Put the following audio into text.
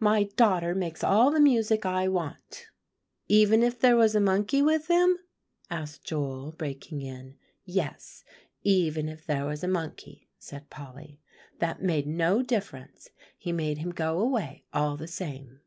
my daughter makes all the music I want."] "Even if there was a monkey with him?" asked Joel, breaking in. "Yes, even if there was a monkey," said Polly, "that made no difference; he made him go away all the same.